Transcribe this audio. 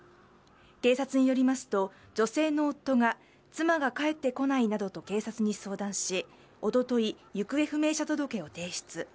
警察によりますと、女性の夫が妻が帰ってこないなどと警察に相談しおととい、行方不明者届を提出。